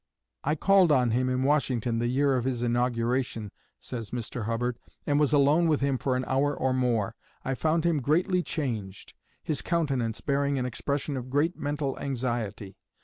"I called on him in Washington the year of his inauguration," says Mr. Hubbard, "and was alone with him for an hour or more. I found him greatly changed, his countenance bearing an expression of great mental anxiety.